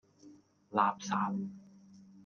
垃圾!